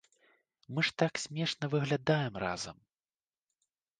Мы ж так смешна выглядаем разам!